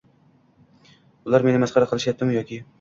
Ular meni masxara qilishayaptimi yoki?